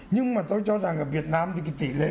nhưng mà tôi cho rằng ở việt nam thì cái tỷ lệ